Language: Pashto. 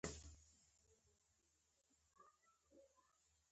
د ولو په ولایت کې قحطۍ د سلاسي مخالفین پیاوړي کړل.